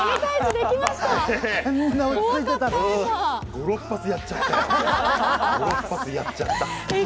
５６発やっちゃった。